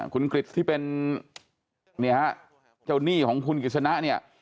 คุณกริจที่เป็นเจ้าหนี้ของคุณกฤษณะเนี่ย